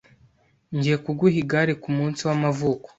Ngiye kuguha igare kumunsi wamavuko.